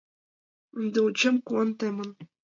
Ынде ончем, куан темын.